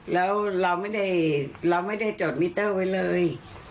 แล้วเราไม่ได้จดมิเตอร์ไว้เลย